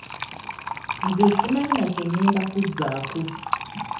Nze simanyi na kye ղղenda kuzzaako.